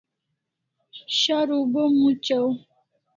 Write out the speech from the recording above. Sharu bo muchaw